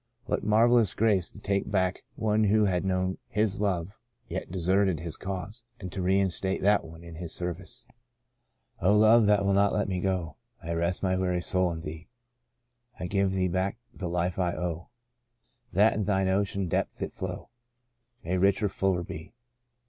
What marvellous grace, to take back one who had known His love yet deserted His cause, and to reinstate that one in His serv ice I 1 14 The Portion of Manasseh O Love that will not let me go, I rest my weary soul in Thee ; I give Thee back the life I owe, That in Thine ocean depth its flow May richer, fuller be.'